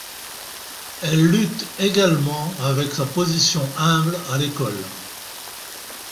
Elle lutte également avec sa position humble à l'école.